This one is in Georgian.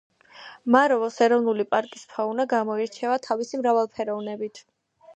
მავროვოს ეროვნული პარკის ფაუნა გამოირჩევა თავისი მრავალფეროვნებით.